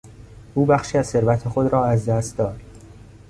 او بخشی از ثروت خود ار از دست داد.